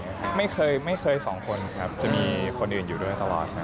ไม่เคยไม่เคยสองคนครับจะมีคนอื่นอยู่ด้วยตลอดครับ